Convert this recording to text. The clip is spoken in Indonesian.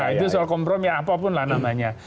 itu soal kompromi apapun lah namanya